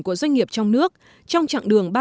của doanh nghiệp trong nước trong trạng đường